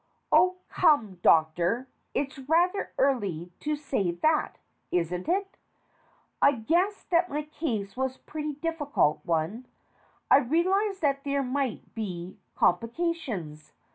Oh, come, Doctor, it's rather early to say that, isn't it ? I guessed that my case was a pretty difficult one. I realized that there might be complications.